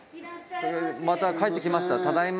また帰ってきましたただいま。